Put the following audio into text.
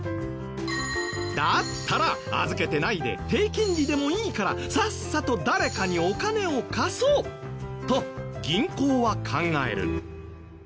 だったら預けてないで低金利でもいいからさっさと誰かにお金を貸そう！と銀行は考える。